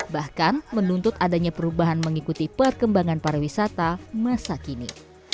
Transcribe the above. bahkan menuntut adanya perubahan mengikuti perkembangan pariwisata masa kini